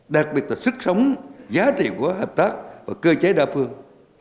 đặc biệt là sức sống giá trị của hợp tác và cơ chế đa phương